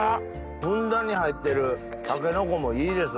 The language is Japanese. ふんだんに入ってるタケノコもいいです。